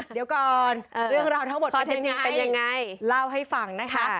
เดี๋ยวก่อนเรื่องราวทั้งหมดเป็นยังไงเล่าให้ฟังนะคะ